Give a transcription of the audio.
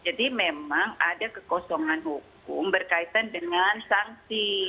jadi memang ada kekosongan hukum berkaitan dengan sanksi